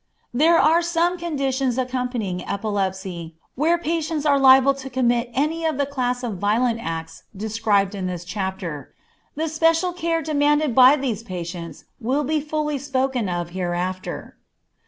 There are some conditions accompanying epilepsy where patients are liable to commit any of the class of violent acts described in this chapter. The special care demanded by these patients will be fully spoken of hereafter.